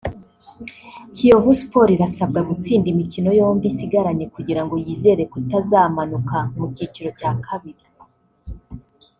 Kiyovu Sports irasabwa gutsinda imikino yombi isigaranye kugira ngo yizere kutazamanuka mu cyiciro cya kabiri